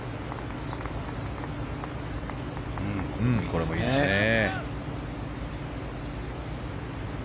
これもいいですね。